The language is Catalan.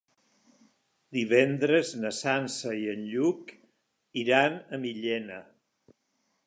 Divendres na Sança i en Lluc iran a Millena.